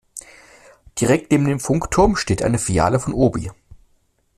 Direkt neben dem Funkturm steht eine Filiale von Obi.